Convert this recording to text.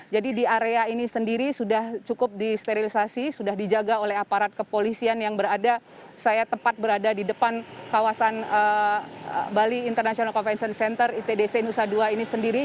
jadi di area ini sendiri sudah cukup disterilisasi sudah dijaga oleh aparat kepolisian yang berada saya tepat berada di depan kawasan bali international convention center itdc nusa dua ini sendiri